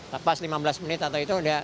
lepas lima belas menit atau itu